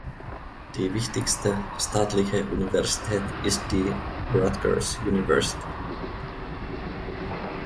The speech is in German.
Die wichtigste staatliche Universität ist die Rutgers University.